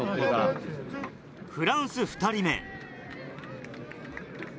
フランス２人目。